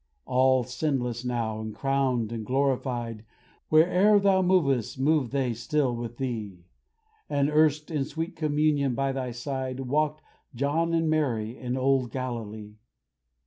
All sinless now, and crowned, and glorified, Where'er thou movest move they still with thee, As erst, in sweet communion by thy side, Walked John and Mary in old Galilee.